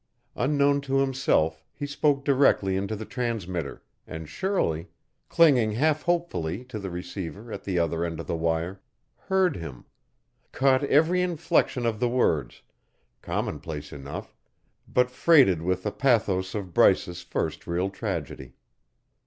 Unknown to himself, he spoke directly into the transmitter, and Shirley, clinging half hopefully to the receiver at the other end of the wire, heard him caught every inflection of the words, commonplace enough, but freighted with the pathos of Bryce's first real tragedy.